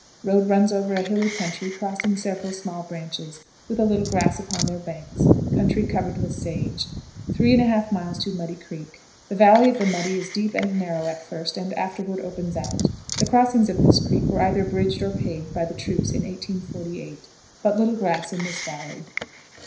Road runs over a hilly country, crossing several small branches, with a little grass upon their banks; country covered with sage. 3 1/2. Muddy Creek. The valley of the "Muddy" is deep and narrow at first, and afterward opens out. The crossings of this creek were either bridged or paved by the troops in 1858. But little grass in this valley.